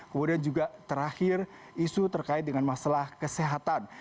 kemudian juga terakhir isu terkait dengan masalah kesehatan